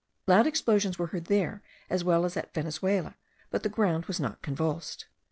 Loud explosions were heard there as well as at Venezuela, but the ground was not convulsed.